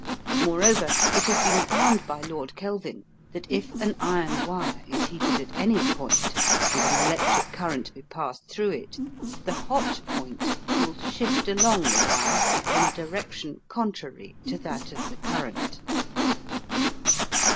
Moreover, it has been found by Lord Kelvin that if an iron wire is heated at any point, and an electric current be passed through it, the hot point will shift along the wire in a direction contrary to that of the current.